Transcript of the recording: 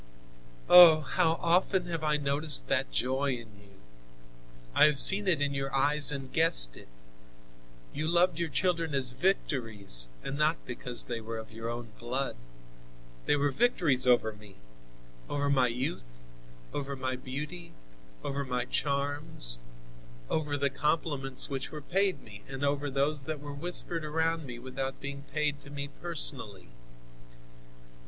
"Oh! how often have I noticed that joy in you! I have seen it in your eyes and guessed it. You loved your children as victories, and not because they were of your own blood. They were victories over me, over my youth, over my beauty, over my charms, over the compliments which were paid me and over those that were whispered around me without being paid to me personally.